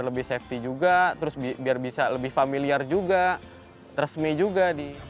lebih safety juga terus biar bisa lebih familiar juga resmi juga di